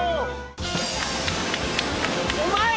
うまい！